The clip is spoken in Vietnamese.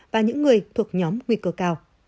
và những người thuộc nhóm nguy cơ cao